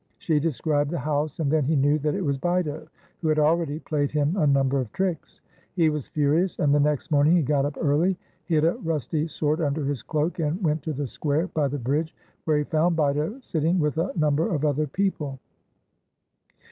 She described the house, and then he knew that it was Bito, who had already played him a number of tricks. He was furious, and the next morning he got up early, hid a rusty sword under his cloak and went to the square by the bridge, where he found Bito sitting with a number of other people.